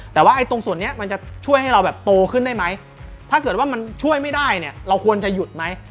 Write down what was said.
แต่ว่าไอ้ตรงส่วนนี้มันจะช่วยให้เราแบบโตขึ้นได้ไหมถ้าเกิดว่ามันช่วยไม่ได้เนี่ยเราควรจะหยุดไหม